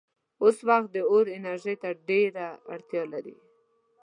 اوس وخت د اور انرژۍ ته ډېره اړتیا ده.